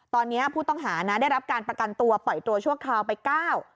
ตอนนี้ผู้ต้องหานะได้รับการประกันตัวปล่อยตัวชั่วคราวไปเก้า